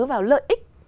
vào lợi ích